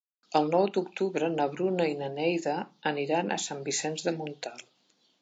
El nou d'octubre na Bruna i na Neida aniran a Sant Vicenç de Montalt.